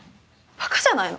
バカじゃないの！